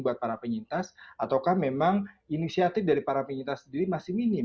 buat para penyintas ataukah memang inisiatif dari para penyintas sendiri masih minim